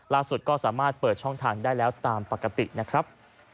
ล่าสุดก็สามารถเปิดช่องทางได้แล้วตามปกตินะครับ